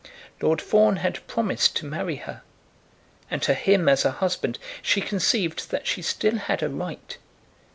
Lord Fawn had promised to marry her, and to him as a husband she conceived that she still had a right.